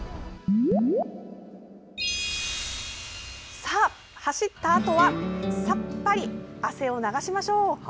さあ、走ったあとはさっぱり汗を流しましょう！